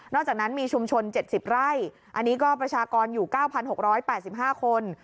จากนั้นมีชุมชน๗๐ไร่อันนี้ก็ประชากรอยู่๙๖๘๕คน